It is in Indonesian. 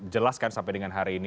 jelas kan sampai dengan hari ini